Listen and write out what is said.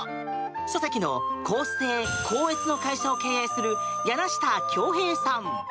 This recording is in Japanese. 書籍の校正・校閲の会社を経営する柳下恭平さん。